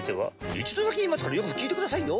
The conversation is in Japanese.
一度だけ言いますからよく聞いてくださいよ。